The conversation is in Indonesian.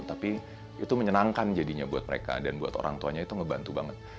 tapi itu menyenangkan jadinya buat mereka dan buat orang tuanya itu ngebantu banget